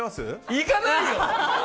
いかないよ！